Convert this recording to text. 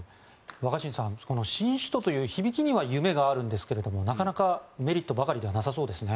若新さんこの新首都という響きには夢があるんですがなかなかメリットばかりではなさそうですね。